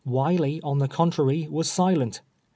AViley, on tbe contrary, was silent.